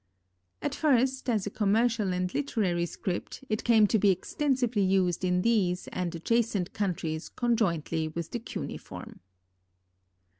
At first, as a commercial and literary script, it came to be extensively used in these and adjacent countries conjointly with the cuneiform.